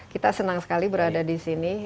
kita senang sekali berada di sini